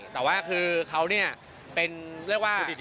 แต่ว่าคือเขาเนี่ยเป็นเรียกว่า